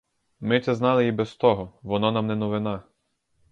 Ми це знали і без того, воно нам не новина.